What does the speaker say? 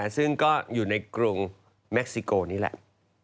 ซึ่งก็อยู่ในกรุงเม็กซิโกนี่แหละ